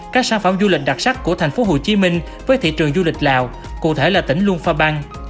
các sản phẩm du lịch đặc sắc của thành phố hồ chí minh với thị trường du lịch lào cụ thể là tỉnh luôn pha băng